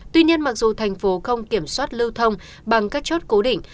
tuy nhiên mặc dù thành phố không kiểm soát lưu thông bằng các chốt cố định